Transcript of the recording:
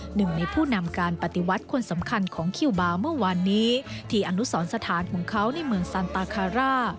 หนึ่งในผู้นำการปฏิวัติคนสำคัญของคิวบาร์เมื่อวานนี้ที่อนุสรสถานของเขาในเมืองซันตาคาร่า